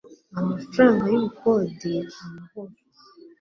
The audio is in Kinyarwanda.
amafaranga y ubukode amahoro